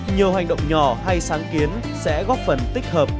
nhiều hành động nhỏ hay sáng kiến sẽ góp phần tích hợp